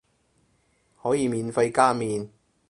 可以免費加麵